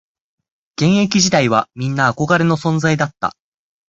現役時代はみんな憧れの存在だった